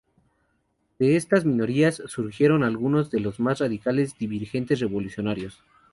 De estas minorías, surgieron algunos de los más radicales dirigentes revolucionarios.